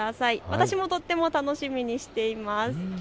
私もとっても楽しみにしています。